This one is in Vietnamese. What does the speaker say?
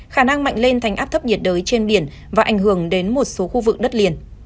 khả năng mạnh lên thành áp thấp nhiệt đới trên biển và ảnh hưởng đến một số khu vực đất liền